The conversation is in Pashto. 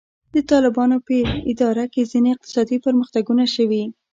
د طالبانو په اداره کې ځینې اقتصادي پرمختګونه شوي.